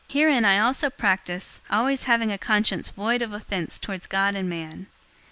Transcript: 024:016 Herein I also practice always having a conscience void of offense toward God and men.